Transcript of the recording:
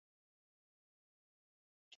nchini guinea ikiwa matokeo hayo hayatatangazwa